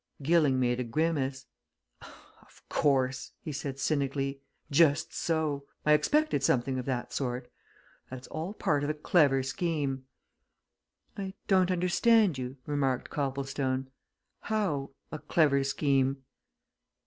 Gilling made a grimace. "Of course!" he said, cynically. "Just so! I expected something of that sort. That's all part of a clever scheme." "I don't understand you," remarked Copplestone. "How a clever scheme?"